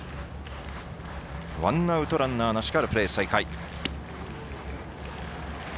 ワンアウトランナーなしからプレー再開。